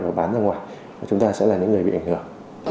và bán ra ngoài và chúng ta sẽ là những người bị ảnh hưởng